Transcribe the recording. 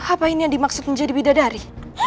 apa ini yang dimaksud menjadi bidadari